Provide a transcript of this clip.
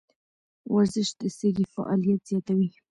ورزش د سږي فعالیت زیاتوي.